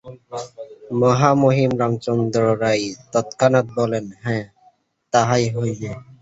মহামহিম রামচন্দ্র রায় তৎক্ষণাৎ বলেন, হাঁ, তাহাই হইবে।